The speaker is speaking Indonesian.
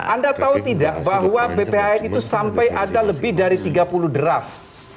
anda tahu tidak bahwa bphn itu sampai ada lebih dari tiga puluh draft